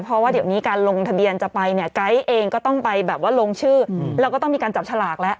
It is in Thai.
เพราะว่าเดี๋ยวนี้การลงทะเบียนจะไปเนี่ยไก๊เองก็ต้องไปแบบว่าลงชื่อแล้วก็ต้องมีการจับฉลากแล้ว